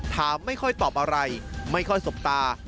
ถามไม่ค่อยตอบอะไรไม่ค่อยสบตา